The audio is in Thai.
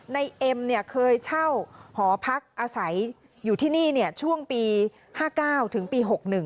เอ็มเคยเช่าหอพักอาศัยอยู่ที่นี่ช่วงปี๕๙ถึงปี๖๑